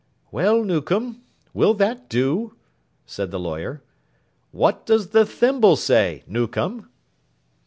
'Well, Newcome. Will that do?' said the lawyer. 'What does the thimble say, Newcome?